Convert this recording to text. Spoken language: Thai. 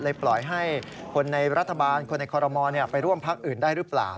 ปล่อยให้คนในรัฐบาลคนในคอรมอลไปร่วมพักอื่นได้หรือเปล่า